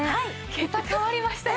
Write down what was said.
桁変わりましたよ。